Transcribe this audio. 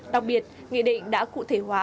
đặc biệt nghị định đã cụ thể hóa